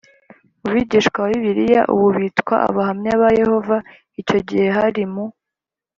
mu Bigishwa ba Bibiliya ubu bitwa Abahamya ba Yehova Icyo gihe hari mu